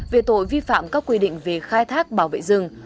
về tội vi phạm các quy định về khai thác bảo vệ rừng